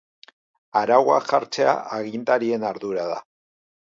Arauak jartzea agintarien ardura da.